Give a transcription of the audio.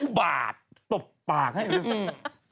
อูบาดตบปากให้เรื่องนี้